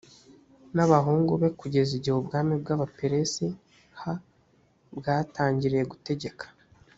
n ab abahungu be kugeza igihe ubwami bw abaperesi h bwatangiriye gutegeka